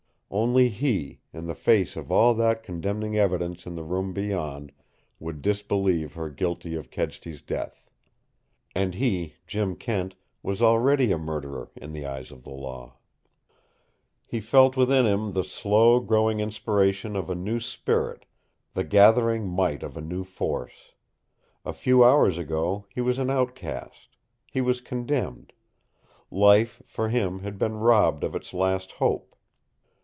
Only he, in the face of all that condemning evidence in the room beyond, would disbelieve her guilty of Kedsty's death. And he, Jim Kent, was already a murderer in the eyes of the law. He felt within him the slow growing inspiration of a new spirit, the gathering might of a new force. A few hours ago he was an outcast. He was condemned. Life, for him, had been robbed of its last hope.